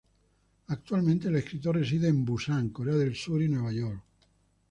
Actualmente, el escritor reside en Busan, Corea del Sur, y Nueva York.